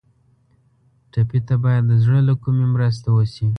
ټپي ته باید د زړه له کومي مرسته وشي.